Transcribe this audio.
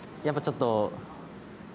やっぱちょっと。